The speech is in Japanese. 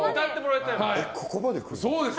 ここまで来るの？